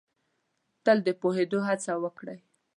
تل د پوهېدو هڅه وکړ ئ